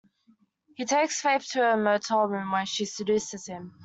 He takes Faith to her motel room where she seduces him.